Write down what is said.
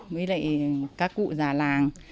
với lại các cụ già làng